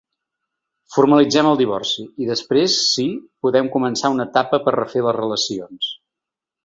Formalitzem el divorci i després, sí, podem començar una etapa per refer les relacions.